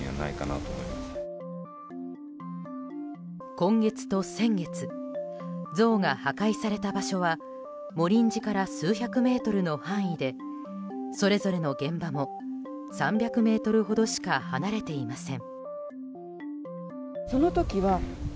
今月と先月像が破壊された場所は茂林寺から数百メートルの範囲でそれぞれの現場も３００ｍほどしか離れていません。